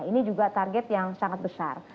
ini juga target yang sangat besar